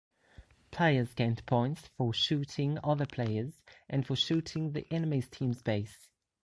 Players gained points for shooting other players and for shooting the enemy team's base.